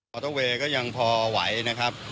อเตอร์เวย์ก็ยังพอไหวนะครับ